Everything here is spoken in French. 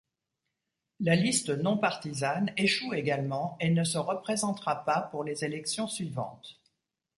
La Liste Non-Partisane échoue également et ne se représentera pas pour les élections suivantes.